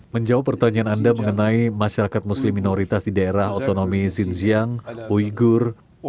menjawab pertanyaan anda mengenai masyarakat muslim minoritas di daerah otonomi xinjiang uyghur